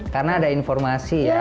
karena ada informasi ya